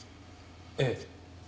ええ。